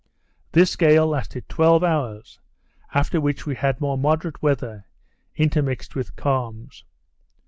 This gale lasted twelve hours, after which we had more moderate weather, intermixed with calms.